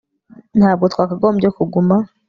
Ntabwo twakagombye kuguma